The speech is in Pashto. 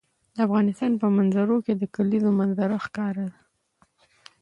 د افغانستان په منظره کې د کلیزو منظره ښکاره ده.